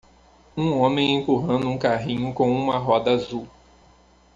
Um homem empurrando um carrinho com uma roda azul.